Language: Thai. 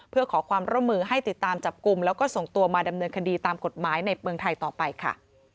เพื่อขอความร่วมมือให้ติดตามจับกลุ่มแล้วก็ส่งตัวมาดำเนินคดีตามกฎหมายในเมืองไทยต่อไปค่ะ